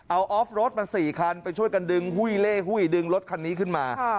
เอาออฟรถมา๔คันไปช่วยกันดึงหุ้ยเล่หุ้ยดึงรถคันนี้ขึ้นมา